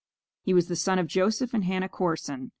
He was the son of Joseph and Hannah Corson.